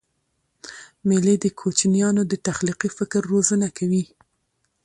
مېلې د کوچنيانو د تخلیقي فکر روزنه کوي.